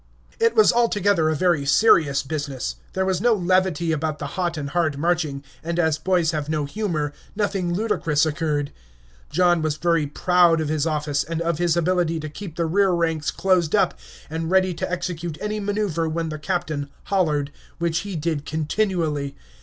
It was altogether a very serious business; there was no levity about the hot and hard marching, and as boys have no humor, nothing ludicrous occurred. John was very proud of his office, and of his ability to keep the rear ranks closed up and ready to execute any maneuver when the captain "hollered," which he did continually.